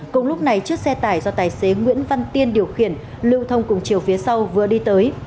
cùng lúc này chiếc xe tải do tài xế nguyễn văn tiên điều khiển lưu thông cùng chiều phía sau vừa đi tới